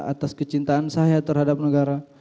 atas kecintaan saya terhadap negara